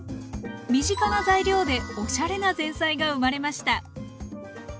身近な材料でおしゃれな前菜が生まれました。